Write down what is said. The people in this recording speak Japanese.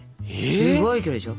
すごい距離でしょ。